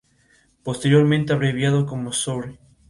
Posteriormente abreviado como Soure.